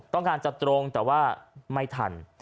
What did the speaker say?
ต้องการจะตรงแต่ว่าไม่ทัน